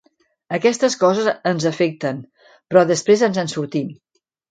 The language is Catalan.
Aquestes coses ens afecten, però després ens en sortim.